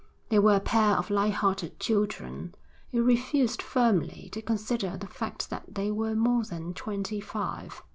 They were a pair of light hearted children, who refused firmly to consider the fact that they were more than twenty five.